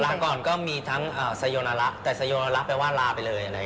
อ๋อลาก่อนก็มีทั้งสยนาระแต่สยนาระแปลว่าลาไปเลย